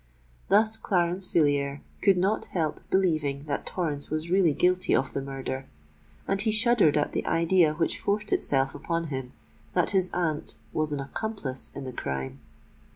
Thus Clarence Villiers could not help believing that Torrens was really guilty of the murder; and he shuddered at the idea which forced itself upon him, that his aunt was an accomplice in the crime.